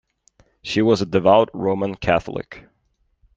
She was a devout Roman Catholic.